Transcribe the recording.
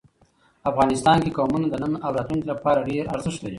افغانستان کې قومونه د نن او راتلونکي لپاره ډېر ارزښت لري.